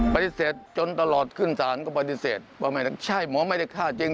ปฏิเสธจนตลอดขึ้นศาลก็ปฏิเสธว่าไม่ได้ใช่หมอไม่ได้ฆ่าจริง